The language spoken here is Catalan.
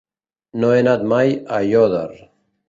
No he anat mai a Aiòder.